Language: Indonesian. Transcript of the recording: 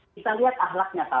kita lihat ahlaknya pak